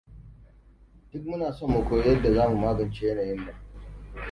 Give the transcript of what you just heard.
Duk muna son mu koyi yadda za mu magance yanayin nan.